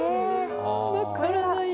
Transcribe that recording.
分からない。